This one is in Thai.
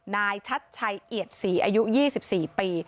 นายชัดชัยเอียดศรีอายุ๒๔ปี